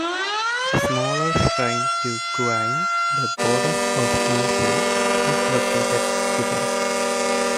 A smaller shrine to Guanyin, the Goddess of Mercy, is located at the back.